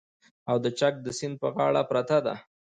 او د چک د سیند په غاړه پرته ده